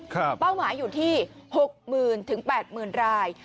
ครับเป้าหมายอยู่ที่หกหมื่นถึงแปดหมื่นราย